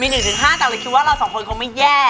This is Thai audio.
มี๑๕แต่จริงคิดเราสองคนคงไม่แย่